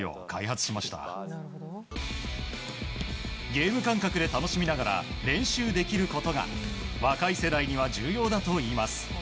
ゲーム感覚で楽しみながら練習できることが若い世代には重要だといいます。